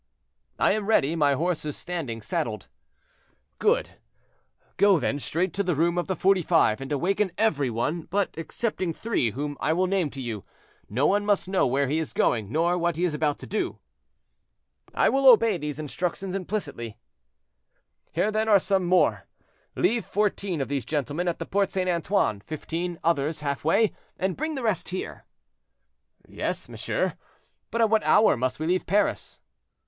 "I am ready; my horse is standing saddled." "Good; go then straight to the room of the Forty five, and awaken every one; but excepting three, whom I will name to you, no one must know where he is going, nor what he is about to do." "I will obey these instructions implicitly." "Here then are some more; leave fourteen of these gentlemen at the Porte St. Antoine, fifteen others half way, and bring the rest here." "Yes, monsieur; but at what hour must we leave Paris?"